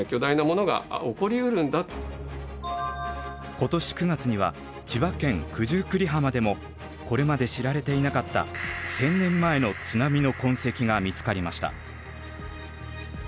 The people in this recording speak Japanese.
今年９月には千葉県九十九里浜でもこれまで知られていなかった１０００年前の津波の痕跡が見つかりました。